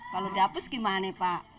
kalau dihapus gimana pak